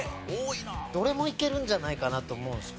どれもいけるんじゃないかなと思うんですよ。